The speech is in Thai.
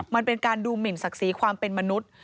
มันเป็นการดูหมินศักดิ์ศรีความเป็นมนุษย์